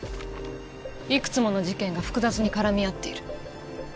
いくつもの事件が複雑に絡み合っている。